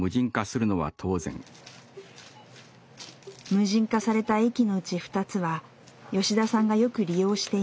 無人化された駅のうち２つは吉田さんがよく利用していました。